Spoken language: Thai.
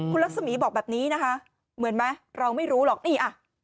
คุณลักษมีบอกแบบนี้นะคะเหมือนไหมเราไม่รู้หรอกนี่อ่ะ